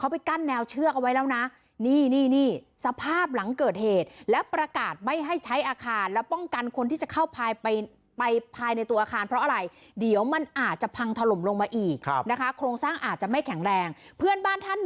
มันจะพังถล่มแล้วมันไม่ใช่หลังคาเดียวครับ